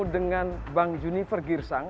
dengan bang juni fergirsang